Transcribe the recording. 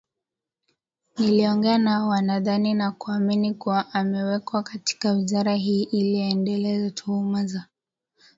niloongea nao wanadhani na kuamini kuwa amewekwa katika wizara hii ili aendeleze tuhuma za